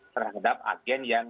terhadap agen yang